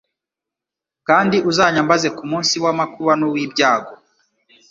Kandi uzanyambaze ku munsi w'amakuba n'uw'ibyago.